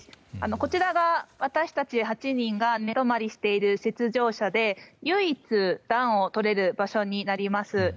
こちらが私たち８人が寝泊まりしている雪上車で、唯一暖をとれる場所になります。